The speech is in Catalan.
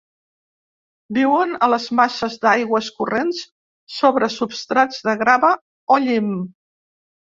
Viuen a les masses d'aigües corrents sobre substrats de grava o llim.